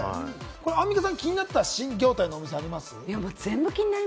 アンミカさん、気になった新業態の店はあります？